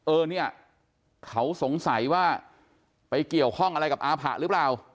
เออเนี่ยเขาสงสัยว่าไปเกี่ยวข้องอะไรกับอาผะหรือเปล่า